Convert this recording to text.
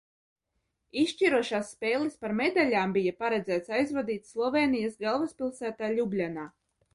Izšķirošās spēles par medaļām bija paredzēts aizvadīt Slovēnijas galvaspilsētā Ļubļanā.